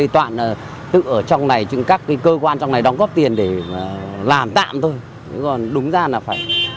tại đây các cơ quan trong này đồng góp tiền để làm tạm thôi